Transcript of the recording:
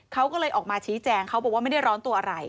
เขาก็เลยออกมาชี้แจงเขาบอกว่าไม่ได้ร้อนตัวอะไร